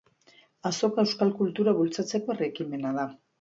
Azoka euskal kultura bultzatzeko herri ekimena da.